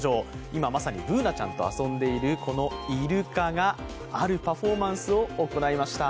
今まさにＢｏｏｎａちゃんと遊んでいるこのイルカがあるパフォーマンスを行いました。